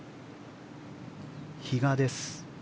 比嘉です。